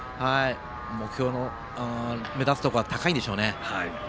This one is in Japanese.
目標の目指すところは高いんでしょうね。